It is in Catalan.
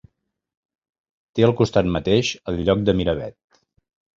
Té al costat mateix el lloc de Miravet.